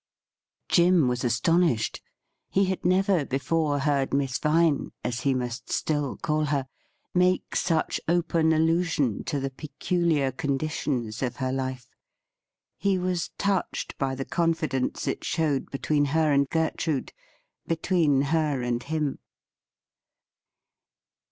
Jim was astonished. He had never before heard Miss Vine, as he must still call her, make such open allusion to the peculiar conditions of her life. He was touched by the confidence it showed between her and Gertrude — between her and him.